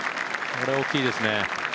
これは大きいですね。